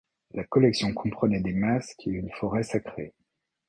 La collection comprenait des masques et une forêt sacrée.